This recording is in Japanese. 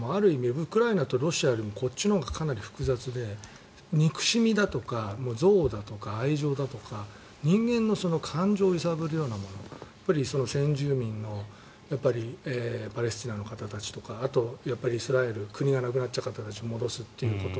ウクライナとロシアよりもこっちのほうがかなり複雑で憎しみだとか憎悪だとか愛情とか人間の感情を揺さぶるもの先住民のパレスチナの方たちとかあとはイスラエル国がなくなった方たちを戻すっていうこと。